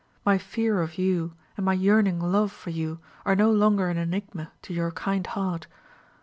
My fear of you, and my yearning love for you, are no longer an enigma to your kind heart.